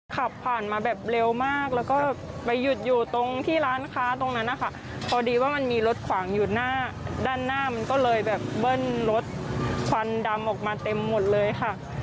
ขับผ่านมาแบบเร็วมากแล้วก็ไปหยุดอยู่ตรงที่ร้านค้าตรงนั้นนะคะพอดีว่ามันมีรถขวางอยู่หน้าด้านหน้ามันก็เลยแบบเบิ้ลรถควันดำออกมาเต็มหมดเลยค่ะ